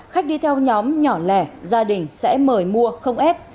khách đi theo nhóm nhỏ lẻ gia đình sẽ mời mua không ép